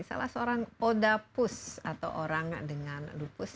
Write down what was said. salah seorang odapus atau orang dengan lupus